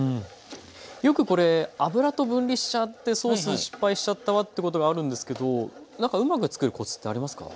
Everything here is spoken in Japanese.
よくこれ油と分離しちゃってソース失敗しちゃったわってことがあるんですけど何かうまく作るコツってありますか？